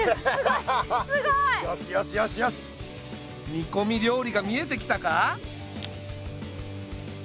煮こみ料理が見えてきたか？